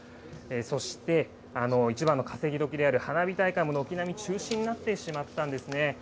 そして一番の稼ぎどきである花火大会も、軒並み中止になってしまったんですね。